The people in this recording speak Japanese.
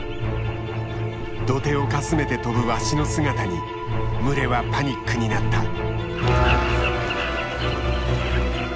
土手をかすめて飛ぶワシの姿に群れはパニックになった。